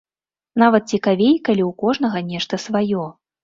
Нават цікавей, калі ў кожнага нешта сваё.